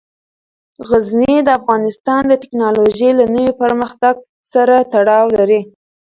غزني د افغانستان د تکنالوژۍ له نوي پرمختګ سره تړاو لري.